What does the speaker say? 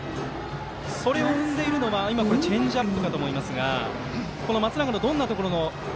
それを生んでいるのは今のはチェンジアップかと思いますがこの松永のどんなところが。